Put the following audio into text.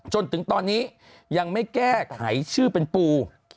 จนถึงตอนนี้ยังไม่แก้ไขชื่อเป็นปู